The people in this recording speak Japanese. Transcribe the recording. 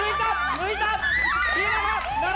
抜いた！